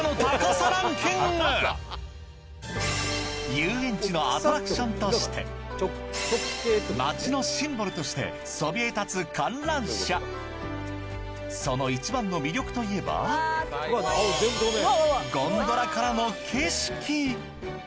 遊園地のアトラクションとして街のシンボルとしてそびえ立つ観覧車その一番の魅力といえばゴンドラからの景色